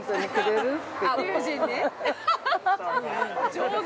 上手。